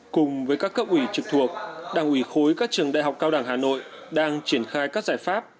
cùng với các cấp ủy trực thuộc đảng ủy khối các trường đại học cao đẳng hà nội đang triển khai các giải pháp